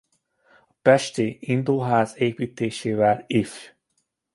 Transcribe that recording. A pesti indóház építésével Ifj.